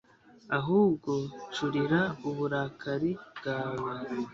Ahubwo curira uburakari bwawe